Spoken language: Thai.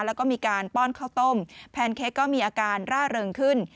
แล้วก็มีการป้อนข้าวต้มแพนเค้กก็มีอาการร่าเริงขึ้น